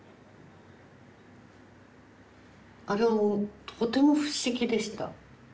あれはとても不思議でした。